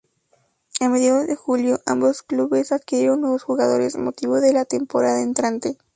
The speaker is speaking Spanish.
A mediados de Julio, ambos clubes adquirieron nuevos jugadores motivo de la temporada entrante.